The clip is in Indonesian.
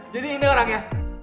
jadi ini orangnya